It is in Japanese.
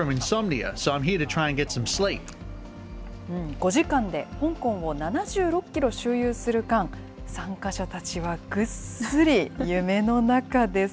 ５時間で香港を７６キロ周遊する間、参加者たちはぐっすり夢の中です。